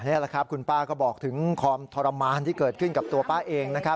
นี่แหละครับคุณป้าก็บอกถึงความทรมานที่เกิดขึ้นกับตัวป้าเอง